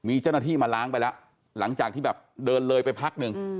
มีเจ้าหน้าที่มาล้างไปแล้วหลังจากที่แบบเดินเลยไปพักหนึ่ง